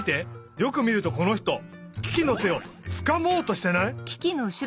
よくみるとこの人キキのてをつかもうとしてない？